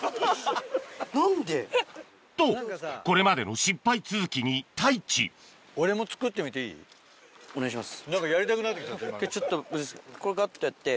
とこれまでの失敗続きに太一お願いします。